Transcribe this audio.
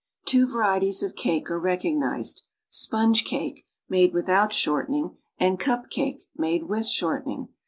Two A'arieties of cake are recognized: sponge cake (made with out shortening) and cup cake (made with shortening).